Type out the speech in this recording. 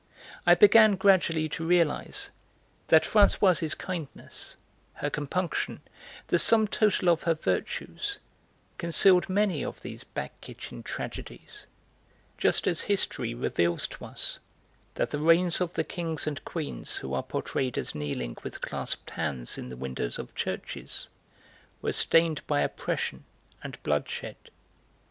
I began gradually to realise that Françoise's kindness, her compunction, the sum total of her virtues concealed many of these back kitchen tragedies, just as history reveals to us that the reigns of the kings and queens who are portrayed as kneeling with clasped hands in the windows of churches, were stained by oppression and bloodshed.